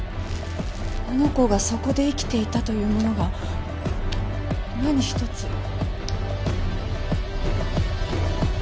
あの子がそこで生きていたというものが何一つ。